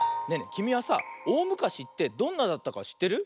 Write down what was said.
きみはさおおむかしってどんなだったかしってる？